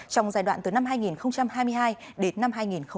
trong giai đoạn từ năm hai nghìn hai mươi hai đến năm hai nghìn hai mươi